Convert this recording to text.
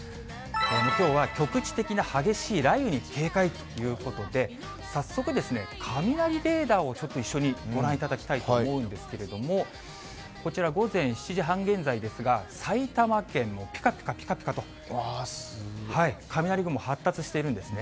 きょうは局地的な激しい雷雨に警戒ということで、早速ですね、雷レーダーをちょっと一緒にご覧いただきたいと思うんですけれども、こちら、午前７時半現在ですが、埼玉県のぴかぴかぴかと雷雲発達してるんですね。